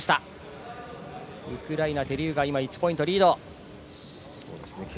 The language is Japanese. ウクライナ、テリューガが１ポイントリード。